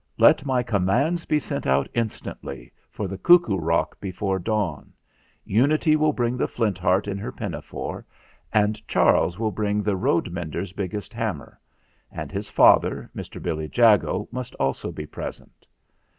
Let my commands be sent out instantly for the 'Cuckoo Rock' be fore dawn. Unity will bring the Flint Heart in her pinafore, and Charles will bring the road mender's biggest hammer ; and his father, Mr. Billy Jago, must also be present."